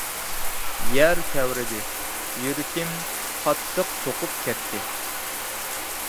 يەر تەۋرىدى، يۈرىكىم قاتتىق سوقۇپ كەتتى.